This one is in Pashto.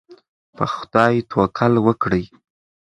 په خدای توکل وکړئ.